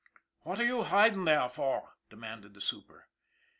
"What are you hiding there for?" demanded the super.